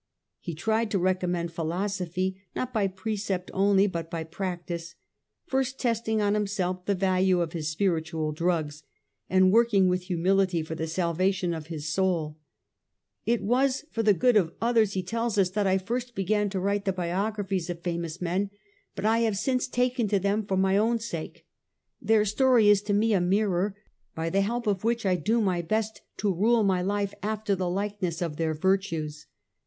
He tried to recommend philosophy not by pre cept only but by practice, first testing on himself the value of his spiritual drugs, and working with humility for the salvation of his soul. ' It was for the good of others ' N 2 CH. VIII. 1 8 o The Age of the A ntonines, he tells us, 'that I first began to write the biographies of famous men, but I have since taken to them for my own sake. Their story is to me a mirror, by the help of which I do my best to rule my life after the likeness of their virtues.